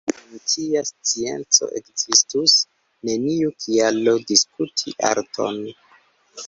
Sen tia scienco, ekzistus neniu kialo diskuti arton.